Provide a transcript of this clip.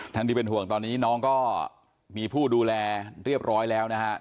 ที่เป็นห่วงตอนนี้น้องก็มีผู้ดูแลเรียบร้อยแล้วนะฮะ